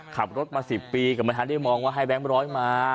ขับรถมาสิบปีกับมันทั้งเดียวมองว่าให้แบงค์ร้อยมา